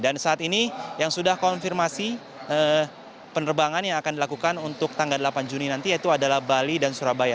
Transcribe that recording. dan saat ini yang sudah konfirmasi penerbangan yang akan dilakukan untuk tanggal delapan juni nanti yaitu adalah bali dan surabaya